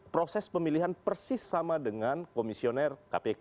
proses pemilihan persis sama dengan komisioner kpk